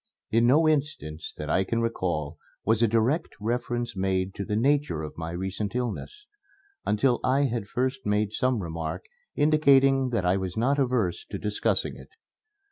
In no instance that I can recall was a direct reference made to the nature of my recent illness, until I had first made some remark indicating that I was not averse to discussing it.